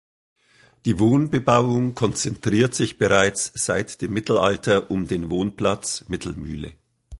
Die Wohnbebauung konzentriert sich bereits seit dem Mittelalter um den Wohnplatz Mittelmühle.